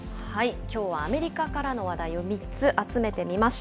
きょうはアメリカからの話題を３つ、集めてみました。